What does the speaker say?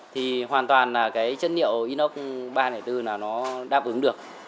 thì hoàn toàn là cái chất niệu inox ba trăm linh bốn là nó đáp ứng được